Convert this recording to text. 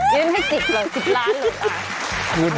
ยิ้มให้จิบหรือจิบล้านหรือคะ